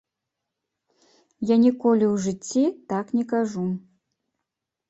Я ніколі ў жыцці так не кажу.